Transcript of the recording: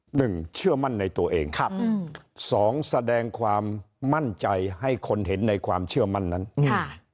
หนึ่งเชื่อมั่นในตัวเองครับอืมสองแสดงความมั่นใจให้คนเห็นในความเชื่อมั่นนั้นค่ะ